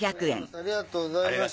ありがとうございます。